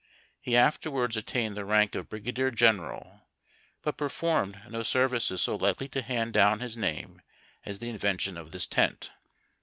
He afterwards attained the rank of brigadier general, but performed no services so likely to hand down his name as the invention of this tent.